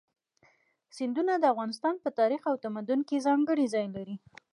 سیندونه د افغانستان په تاریخ او تمدن کې ځانګړی ځای لري.